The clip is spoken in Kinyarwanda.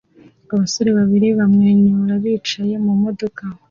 Abasore babiri bamwenyura bicaye mu modoka